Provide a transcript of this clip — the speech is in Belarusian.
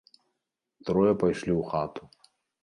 Трое пайшлі ў хату.